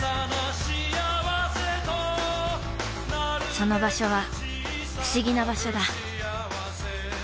その場所は不思議な場所だ。